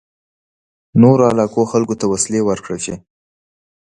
نورو علاقو خلکو ته وسلې ورکړل شي.